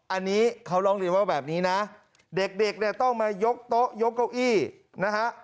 อันนี้เขาร้องเรียนว่าแบบนี้นะเด็กเนี่ยต้องมายกโต๊ะยกเก้าอี้นะฮะ